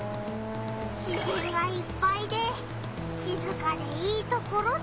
自ぜんがいっぱいでしずかでいいところだな！